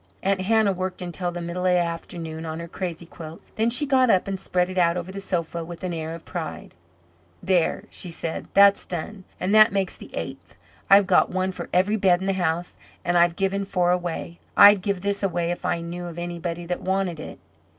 Aunt Hannah worked until the middle of the afternoon on her crazy quilt. Then she got up and spread it out over the sofa with an air of pride. "There," said she, "that's done, and that makes the eighth. I've got one for every bed in the house, and I've given four away. I'd give this away if I knew of anybody that wanted it."